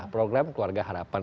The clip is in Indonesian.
program keluarga harapan